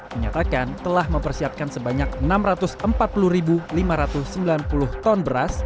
menyatakan telah mempersiapkan sebanyak enam ratus empat puluh lima ratus sembilan puluh ton beras